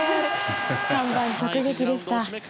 看板直撃でした。